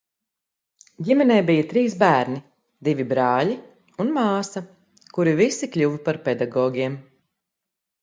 Ģimenē bija trīs bērni – divi brāļi un māsa, kuri visi kļuva par pedagogiem.